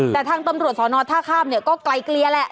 แต่ทางตำรวจสอนอท่าข้ามเนี่ยก็ไกลเกลียแหละ